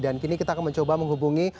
dan kini kita akan mencoba menghubungi